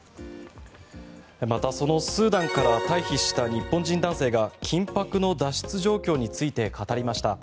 またそのスーダンから退避した日本人男性が緊迫の脱出状況について語りました。